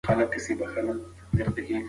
ولې د غېلې خبرې کوې؟